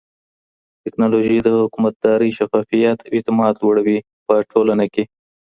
ټکنالوژي د حکومتدارۍ شفافيت او اعتماد لوړوي په ټولنه کې.